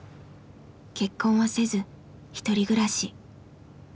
結婚はせずひとり暮らし。